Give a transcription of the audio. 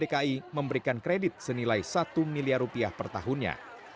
dki memberikan kredit senilai satu miliar rupiah per tahunnya